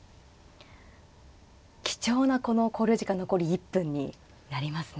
貴重なこの考慮時間残り１分になりますね。